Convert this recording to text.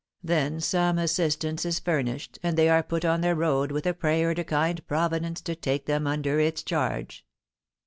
Then some assistance is furnished, and they are put on their road with a prayer to kind Providence to take them under its charge."